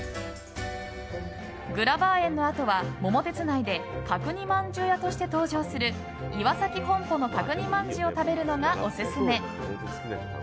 グラバー園のあとは「桃鉄」内で角煮まんじゅう屋として登場する岩崎本舗の角煮まんじゅうを食べるのがオススメ。